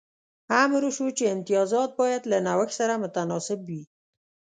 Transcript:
امر وشو چې امتیازات باید له نوښت سره متناسب وي.